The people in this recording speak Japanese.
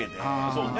そうね！